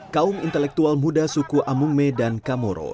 kaum intelektual muda suku amume dan kamoro